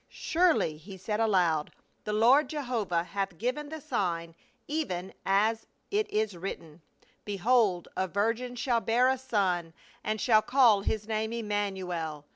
"Surely," he said aloud, "the Lord Jehovah hath given the sign even as it is written, ' Behold a virgin shall bear a son and shall call his name Imman uel